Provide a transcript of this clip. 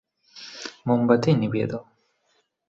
মোমবাতি নিভিয়ে দাও।